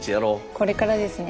これからですね。